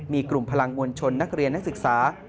มีกลุ่มพลังมวลชนนักเรียนนักศึกษา